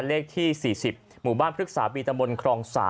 เลขที่๔๐หมู่บ้านพฤกษาบีตำบลครอง๓